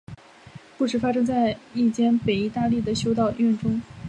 故事发生在一间北意大利的修道院中。